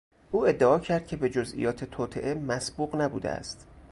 او ادعا کرد که به جزئیات توطئه مسبوق نبوده است.